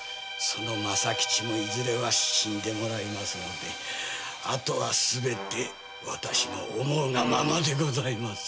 政吉も死んでもらいますのであとはすべて私の思うがままでございます。